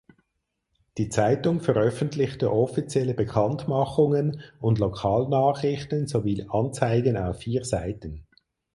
Die Zeitung veröffentlichte offizielle Bekanntmachungen und Lokalnachrichten sowie Anzeigen auf vier Seiten.